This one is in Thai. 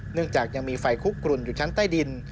เนื่องจากยังมีไฟคุกกลุ่นอยู่ชั้นใต้ดิน